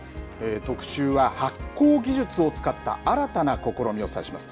特集は発酵技術を使った新たな試みをお伝えします。